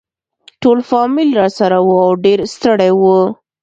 ټول فامیل راسره وو او ډېر ستړي وو.